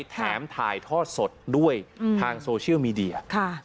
แถมถ่ายทอดสดด้วยทางโซเชียลมีเดีย